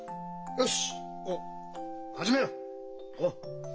よし。